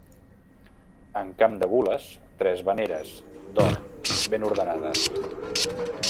En camp de gules, tres veneres, d'or, ben ordenades.